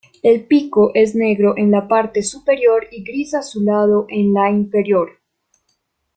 El pico es negro en la parte superior y gris azulado en la inferior.